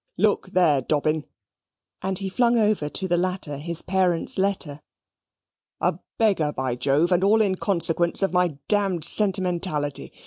"Look there, Dobbin," and he flung over to the latter his parent's letter. "A beggar, by Jove, and all in consequence of my d d sentimentality.